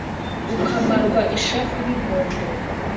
. Ukamarwa ishavu n’ingondo